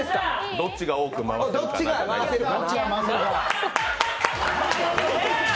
どっちが多く回せるか。